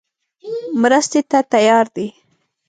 مرستې ته تیار دی.